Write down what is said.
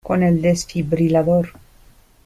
con el desfibrilador.